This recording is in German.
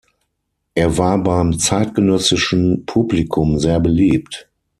Er war beim zeitgenössischen Publikum sehr beliebt.